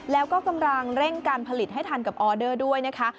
แล้วก็กำลังเร่งการผลิตให้ทันกับออเดอร์ด้วยนะคะ